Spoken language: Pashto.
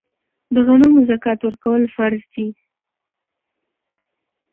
د غنمو زکات ورکول فرض دي.